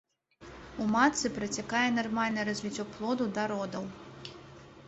У матцы працякае нармальнае развіццё плоду да родаў.